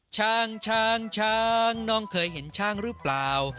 ช้างช้างน้องเคยเห็นช้างหรือเปล่า